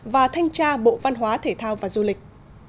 và thanh tra bộ văn hóa thể thao và du lịch